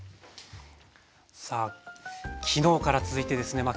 さあ昨日から続いてですねまあ